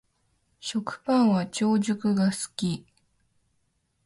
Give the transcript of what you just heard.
食パンは長熟が好き